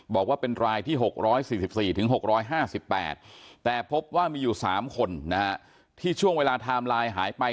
บอกว่าเป็นรายที่๖๔๔๖๕๘แต่พบว่ามีอยู่๓คนที่ช่วงเวลาไทม์ไลน์หายไป